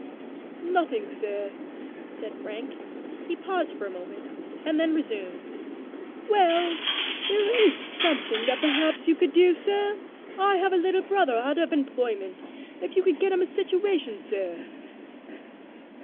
"Nothing, sir," said Frank. He paused for a moment, and then resumed "Well, there is something that perhaps you could do, sir. I have a little brother out of employment; if you could get him a situation, sir."